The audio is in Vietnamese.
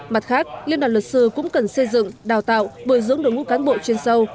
mặt khác liên đoàn luật sư cũng cần xây dựng đào tạo bồi dưỡng đội ngũ cán bộ chuyên sâu